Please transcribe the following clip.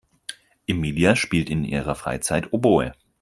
Emilia spielt in ihrer Freizeit Oboe.